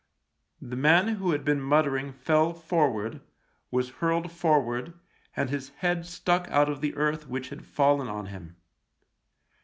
The man who had been muttering fell forward, was hurled forward, and his head stuck out of the earth which had fallen on him.